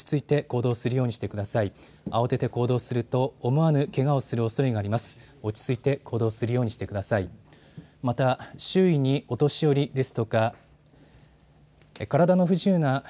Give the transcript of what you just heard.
慌てて行動すると思わぬけがをするおそれがあります。